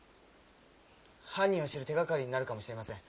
犯人を知る手掛かりになるかもしれません。